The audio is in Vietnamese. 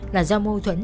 là do mô thuẫn